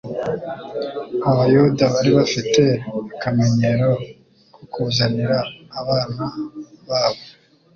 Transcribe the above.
Abayuda bari bafite akamenyero ko kuzanira abana babo